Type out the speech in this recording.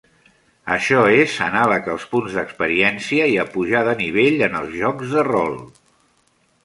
Això és anàleg als punts d'experiència i a pujar de nivell en els jocs de rol.